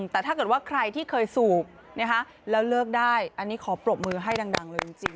แต่ถ้าเกิดว่าใครที่เคยสูบแล้วเลิกได้อันนี้ขอปรบมือให้ดังเลยจริง